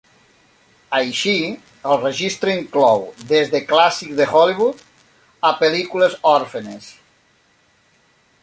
Així, el Registre inclou des de clàssics de Hollywood a pel·lícules òrfenes.